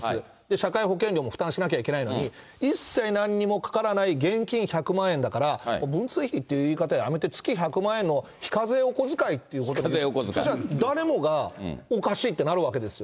社会保険料も負担しなきゃいけないのに、一切なんにもかからない現金１００万円だから文通費っていう言い方はやめて月１００万円の非課税おこづかいというふうにしたら、そうしたら、誰もがおかしいってなるわけですよ。